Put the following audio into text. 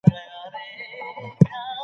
هغوی له نن څخه پيل وکړ.